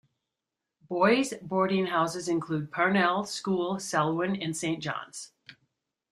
Boys' boarding Houses include Parnell, School, Selwyn, and Saint John's.